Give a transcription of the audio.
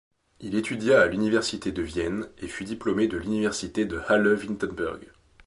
Il étudia à l'université de Vienne et fut diplômé de l'université de Halle-Wittenberg.